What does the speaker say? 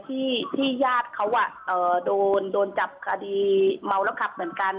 ที่ญาติเขาโดนจับคดีเมาแล้วขับเหมือนกัน